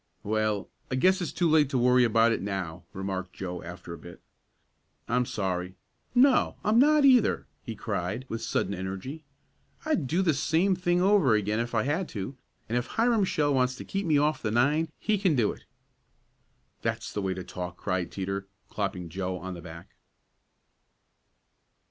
"Well, I guess it's too late to worry about it now," remarked Joe after a bit. "I'm sorry no; I'm not either!" he cried, with sudden energy. "I'd do the same thing over again if I had to, and if Hiram Shell wants to keep me off the nine he can do it!" "That's the way to talk!" cried Teeter, clapping Joe on the back.